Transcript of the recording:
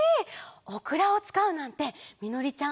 オクラをつかうなんてみのりちゃん